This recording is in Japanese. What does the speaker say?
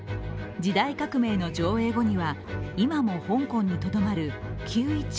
「時代革命」の上映後には今も香港にとどまるキウィ